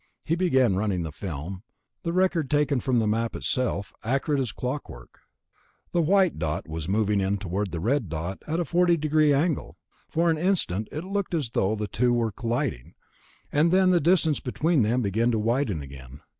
He began running the film, the record taken from the Map itself, accurate as clockwork. The white dot was moving in toward the red dot at a forty degree angle. For an instant it looked as though the two were colliding ... and then the distance between them began to widen again.